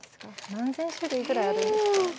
何千種類ぐらいあるんですか？